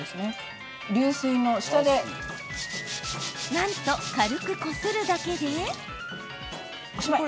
なんと、軽くこするだけで。